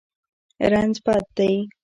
رنځ بد دی.